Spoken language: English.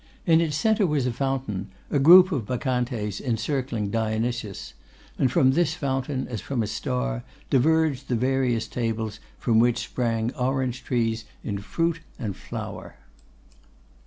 In its centre was a fountain, a group of Bacchantes encircling Dionysos; and from this fountain, as from a star, diverged the various tables from which sprang orange trees in fruit and flower.